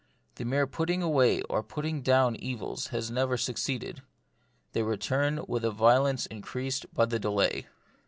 The mere putting away or putting down evils has never suc ceeded. They return with a violence increased by the delay.